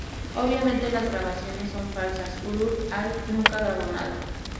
Obviamente las grabaciones son falsas, Uruk-hai nunca grabó nada.